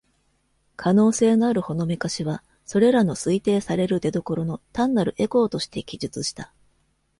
可能性のあるほのめかしは,それらの推定される出所の単なるエコーとして記述した。